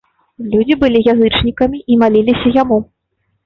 Людзі былі язычнікамі і маліліся яму.